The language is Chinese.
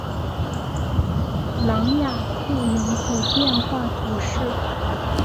朗雅克人口变化图示